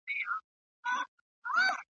زه له غروره د ځوانۍ لکه نیلی درتللای !.